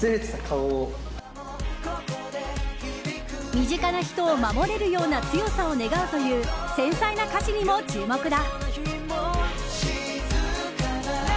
身近な人を守れるような強さを願うという繊細な歌詞にも注目だ。